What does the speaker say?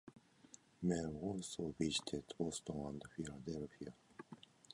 Mehl also visited Boston and Philadelphia.